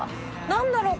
何だろう？